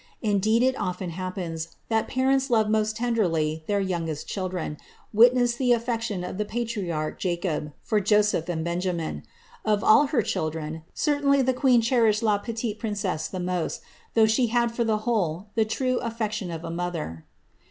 Indeed it oflen happens, that parents love most tendeilf their youngest children, witness the affection of the patriarch Jacob, for Joseph and Benjamin. Of all her children, certainly the queen cherished la petite princesse the most, though she had for the whole the true wSe^ tion of a mother.''